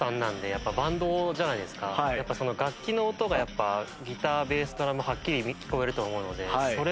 やっぱその楽器の音がギターベースドラムはっきり聞こえると思うので。